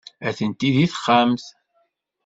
Atenti deg texxamt.